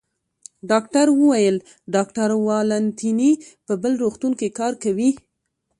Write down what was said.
ډاکټر وویل: ډاکټر والنتیني په بل روغتون کې کار کوي.